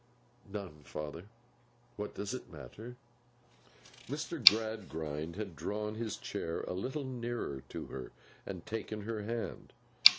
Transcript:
'None, father. What does it matter!' Mr. Gradgrind had drawn his chair a little nearer to her, and taken her hand.